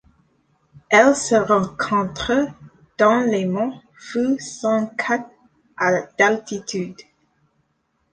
Elle se rencontre dans les monts Phou Sang Kat à d'altitude.